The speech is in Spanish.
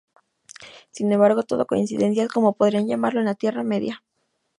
Sin embargo, todo "coincidencias", como podrían llamarlo en la Tierra Media.